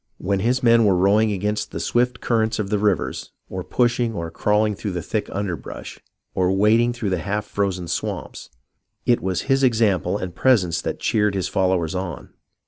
When his men were rowing against the swift current of the rivers, or pushing or crawling through the thick underbrush, or wading through the half frozen swamps, it was his example and presence that cheered his followers on.